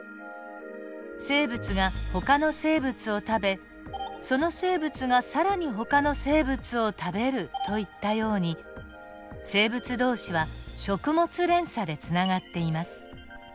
生物がほかの生物を食べその生物が更にほかの生物を食べるといったように生物同士は食物連鎖でつながっています。